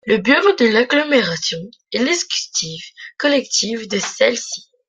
Le bureau de l'agglomération est l'exécutif collectif de celle-ci.